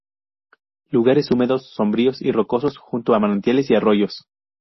Lugares húmedos, sombríos y rocosos, junto a manantiales y arroyos.